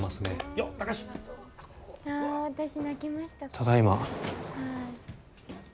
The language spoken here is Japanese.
ただいま。